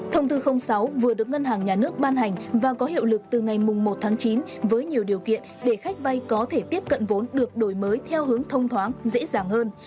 thông tư sáu vừa được ngân hàng nhà nước ban hành và có hiệu lực từ ngày một tháng chín với nhiều điều kiện để khách vay có thể tiếp cận vốn được đổi mới theo hướng thông thoáng dễ dàng hơn